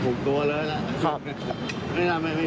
พี่อุ๋ยพ่อจะบอกว่าพ่อจะรับผิดแทนลูก